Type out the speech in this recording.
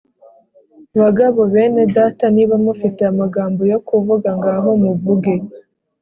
Bagabo bene Data niba mufite amagambo yo kuvuga, ngaho muvuge.